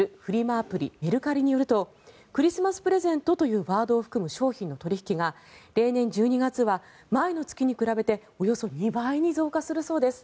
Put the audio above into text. アプリ、メルカリによると「クリスマスプレゼント」というワードを含む商品の取引が例年、１２月は前の月に比べておよそ２倍に増加するそうです。